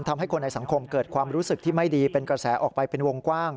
ทำให้คนในสังคมเกิดความรู้สึกที่ไม่ดีเป็นกระแสออกไปเป็นวงกว้าง